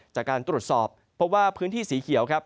จากการตรวจสอบเพราะว่าพื้นที่สีเขียวครับ